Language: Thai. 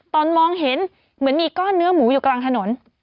ตอนมองเห็นเหมือนมีก้อนเนื้อหมูอยู่กลางถนน